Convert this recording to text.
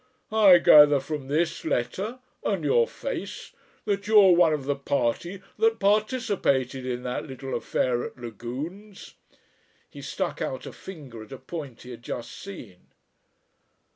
I gather from this letter and your face that you are one of the party that participated in that little affair at Lagune's." He stuck out a finger at a point he had just seen.